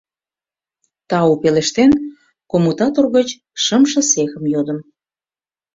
— Тау! — пелештен, коммутатор гоч шымше цехым йодым.